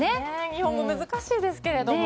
日本語、難しいですけれども。